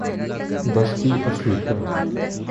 وسطی افریقہ